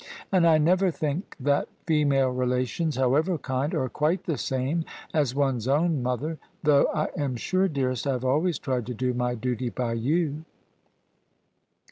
And I never think that female relations — ^how ever kind — are quite the same as one's own mother; though I am sure, dearest, I have always tried to do my duty by you."